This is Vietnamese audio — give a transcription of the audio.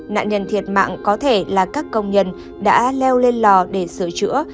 nạn nhân thiệt mạng có thể là các công nhân đã leo lên lò để sửa chữa